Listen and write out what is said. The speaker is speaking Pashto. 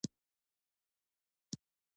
د هرات جامع جومات څو منارونه لري؟